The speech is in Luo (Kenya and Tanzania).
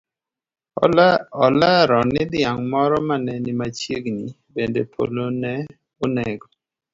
Olero ni dhiang' moro mane ni machiegni bende polo ne onego.